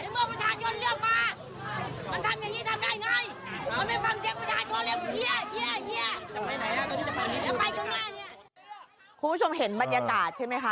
คุณผู้ชมเห็นบรรยากาศใช่ไหมคะ